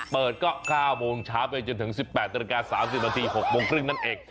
เปิดก็๙โมงเช้าไปจนถึง๑๘นาฬิกา๓๐นาที๖โมงครึ่งนั่นเอง